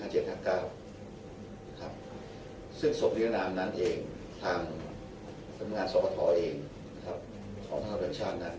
ซึ่งศพนิรนามนั้นเองทางทำงานศพทอเองของพระธรรมชาตินั้น